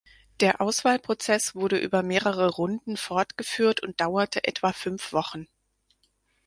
Der Auswahlprozess wurde über mehrere Runden fortgeführt und dauerte etwa fünf Wochen.